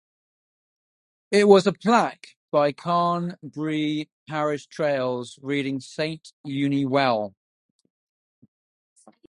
It has a plaque by Carn Brea Parish Trails reading Saint Euny Well.